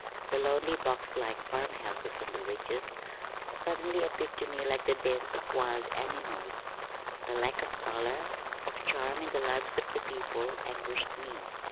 The lonely boxlike farm houses on the ridges suddenly appeared to me like the dens of wild animals. The lack of color, of charm in the lives of the people anguished me.